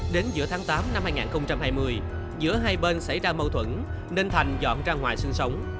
đến giữa tháng tám năm hai nghìn hai mươi giữa hai bên xảy ra mâu thuẫn nên thành dọn ra ngoài sinh sống